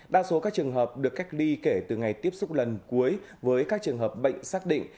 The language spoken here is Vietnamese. đa số các trường hợp được cách ly kể từ ngày tiếp xúc lần cuối với các trường hợp bệnh xác định